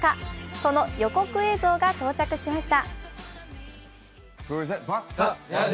その予告映像が到着しました。